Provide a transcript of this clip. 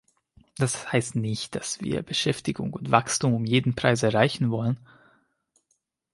Das heißt nicht, dass wir Beschäftigung und Wachstum um jeden Preis erreichen wollen.